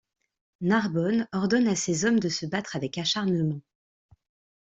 Narbonne ordonne à ses hommes de se battre avec acharnement.